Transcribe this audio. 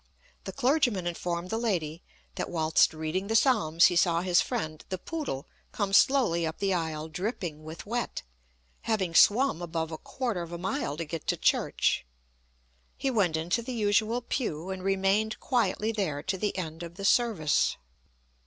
The clergyman informed the lady, that whilst reading the Psalms he saw his friend, the poodle, come slowly up the aisle dripping with wet, having swam above a quarter of a mile to get to church. He went into the usual pew, and remained quietly there to the end of the service.